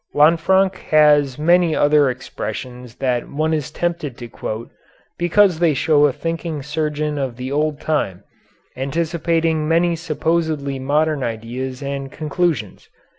Lanfranc has many other expressions that one is tempted to quote, because they show a thinking surgeon of the old time, anticipating many supposedly modern ideas and conclusions.